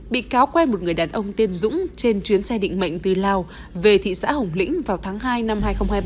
bị cáo quen một người đàn ông tiên dũng trên chuyến xe định mệnh từ lào về thị xã hồng lĩnh vào tháng hai năm hai nghìn hai mươi ba